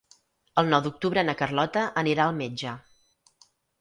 El nou d'octubre na Carlota anirà al metge.